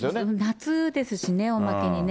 夏ですしね、おまけにね。